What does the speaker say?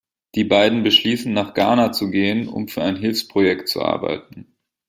Die beiden beschließen, nach Ghana zu gehen, um für ein Hilfsprojekt zu arbeiten.